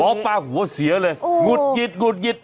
ป้าหัวเสียเลยหงุดหงิดหงุดหงิด